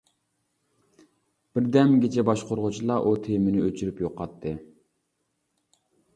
بىردەمگىچە باشقۇرغۇچىلار ئۇ تېمىنى ئۆچۈرۈپ يوقاتتى.